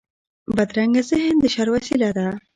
بدرنګه ذهن د شر وسيله ده